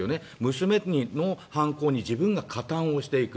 娘の犯行に自分が加担をしていく。